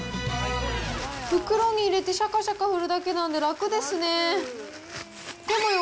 袋に入れてしゃかしゃか振るだけなんで、楽ですねー。